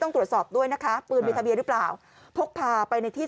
ต้องตรวจสอบด้วยนะคะปืนวิทยาลัยหรือเปล่าพกพาไปในที่